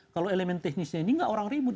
kalau elemen teknisnya ini nggak orang ribut